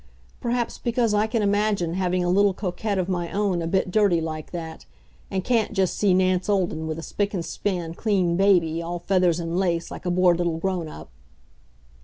Perhaps because I can imagine having a little coquette of my own a bit dirty like that, and can't just see Nance Olden with a spick and span clean baby, all feathers and lace, like a bored little grown up.